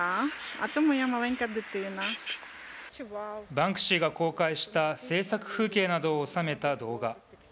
バンクシーが公開した制作風景などを収めた動画。